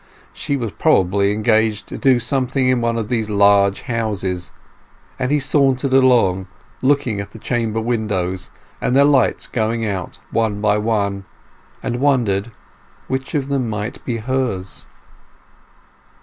She was most probably engaged to do something in one of these large houses; and he sauntered along, looking at the chamber windows and their lights going out one by one, and wondered which of them might be hers.